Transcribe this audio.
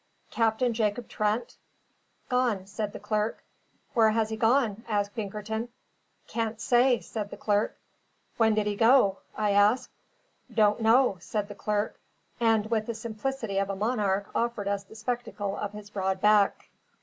"Captain Jacob Trent?" "Gone," said the clerk. "Where has he gone?" asked Pinkerton. "Cain't say," said the clerk. "When did he go?" I asked. "Don't know," said the clerk, and with the simplicity of a monarch offered us the spectacle of his broad back.